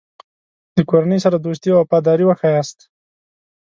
د کورنۍ سره دوستي او وفاداري وښیاست.